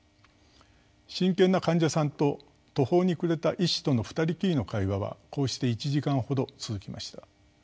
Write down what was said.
真剣な患者さんと途方に暮れた医師との二人きりの会話はこうして１時間ほど続きました。